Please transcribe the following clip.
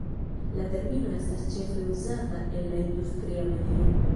La termino estas ĉefe uzata en la industria medio.